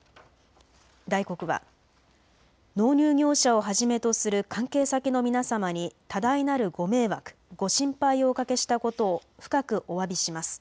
ダイコクは納入業者をはじめとする関係先の皆様に多大なるご迷惑、ご心配をおかけしたことを深くおわびします。